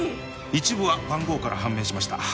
一部は番号から判明しました。